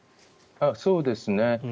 そうですね。